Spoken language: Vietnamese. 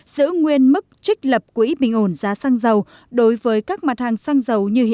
giữ nguyên năng lượng